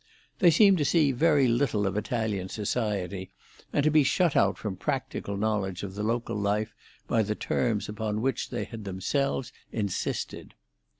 They seemed to see very little of Italian society, and to be shut out from practical knowledge of the local life by the terms upon which they had themselves insisted.